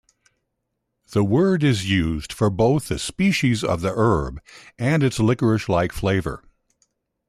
The word is used for both the species of herb and its licorice-like flavor.